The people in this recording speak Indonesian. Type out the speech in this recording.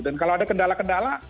dan kalau ada kendala kendala